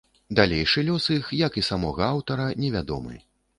Далейшы лёс іх, як і самога аўтара, невядомы.